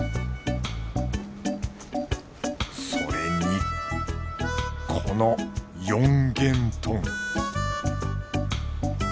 それにこの四元豚！